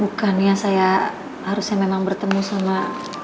bukannya saya harusnya memang bertemu sama